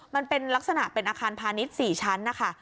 มันเป็นลักษณะเป็นอาคารพาณิชย์๔ชั้นนะคะ